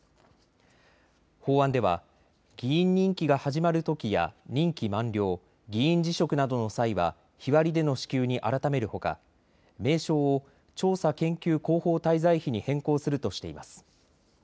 法案では議員任期が始まるときや任期満了、議員辞職などの際は日割りでの支給に改めるほか名称を調査研究広報滞在費に変更するとしています。